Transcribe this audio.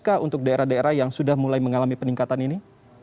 atau daerah daerah yang sudah mulai mengalami peningkatan ini